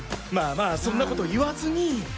まあまあそんなこと言わずに。